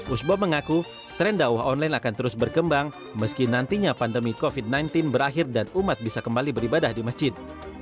usbo mengaku tren dakwah online akan terus berkembang meski nantinya pandemi covid sembilan belas berakhir dan umat bisa kembali beribadah di masjid